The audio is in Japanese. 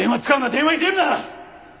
電話に出るな！